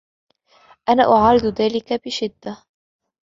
أنا أعارض ذلك بشدة